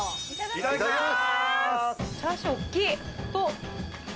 いただきます。